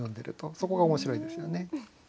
そこが面白いですよね。